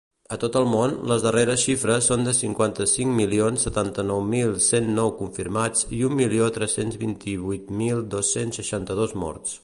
A tot el món, les darreres xifres són de cinquanta-cinc milions setanta-nou mil cent nou confirmats i un milió tres-cents vint-i-vuit mil dos-cents seixanta-dos morts.